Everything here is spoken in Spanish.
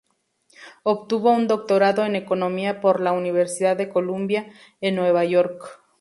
Obtuvo un doctorado en Economía por la Universidad de Columbia, en Nueva York.